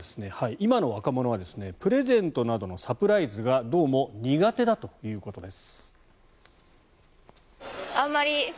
今の若者はプレゼントなどのサプライズがどうも苦手だということです。